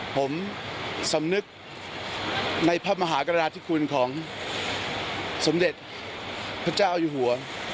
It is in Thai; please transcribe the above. ผมสำนึกในพระมหากรณาธิคุณของสมเด็จพระเจ้าอยู่หัว